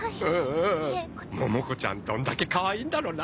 モモ子ちゃんどんだけかわいいんだろうな。